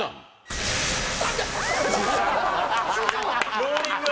ローリング。